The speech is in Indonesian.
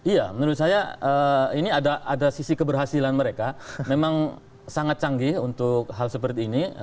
iya menurut saya ini ada sisi keberhasilan mereka memang sangat canggih untuk hal seperti ini